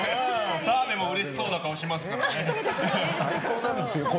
澤部もうれしそうな顔しますからね。